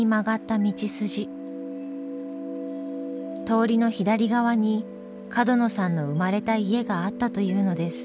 通りの左側に角野さんの生まれた家があったというのです。